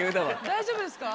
大丈夫ですか？